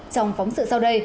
trong phóng sự sau đây